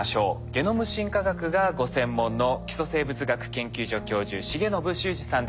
ゲノム進化学がご専門の基礎生物学研究所教授重信秀治さんです。